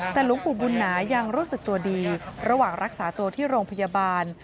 แต่หลวงปู่บุญหนายังรู้สึกตัวดีระหว่างรักษาตัวที่โรงพยาบาล